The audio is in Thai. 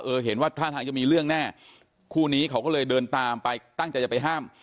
เห็นว่าท่าทางจะมีเรื่องแน่คู่นี้เขาก็เลยเดินตามไปตั้งใจจะไปห้าม